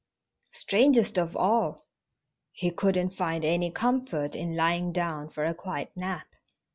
Strangest of all, he couldn't find any comfort in lying down for a quiet nap.